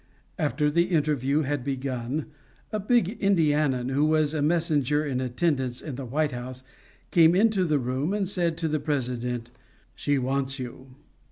After the interview had begun, a big Indian, who was a messenger in attendance in the White House, came into the room and said to the President: "She wants you."